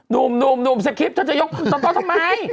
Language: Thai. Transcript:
นุ่มเสียคลิปเธอจะยกต่อทำไม